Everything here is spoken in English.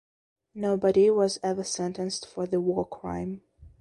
Nobody was ever sentenced for the war crime.